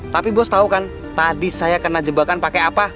tapi boss tau kan tadi saya kena jebakan pake apa